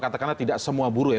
katakanlah tidak semua buruh ya